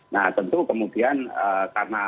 nah tentu kemudian karena